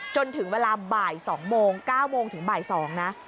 จนถึงเวลาบ่าย๒โมง๙โมงถึงบ่าย๒นะ